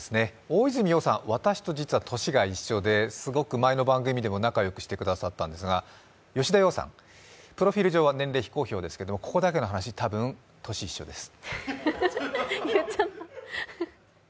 大泉洋さん、実は私と年が一緒ですごく前の番組でも仲良くしてくださったんですが、吉田羊さん、プロフィール上は非公開ですがここだけの話、多分、年一緒です。